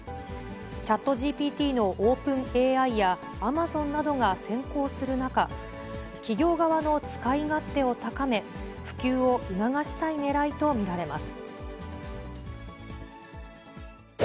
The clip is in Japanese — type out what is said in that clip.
チャットＧＰＴのオープンＡＩやアマゾンなどが先行する中、企業側の使い勝手を高め、普及を促したいねらいと見られます。